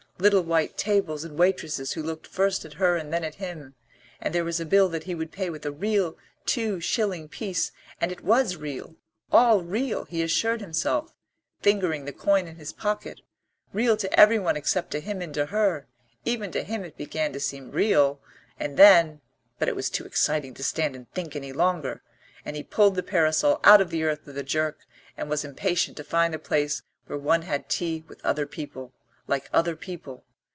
little white tables, and waitresses who looked first at her and then at him; and there was a bill that he would pay with a real two shilling piece, and it was real, all real, he assured himself, fingering the coin in his pocket, real to everyone except to him and to her; even to him it began to seem real; and then but it was too exciting to stand and think any longer, and he pulled the parasol out of the earth with a jerk and was impatient to find the place where one had tea with other people, like other people.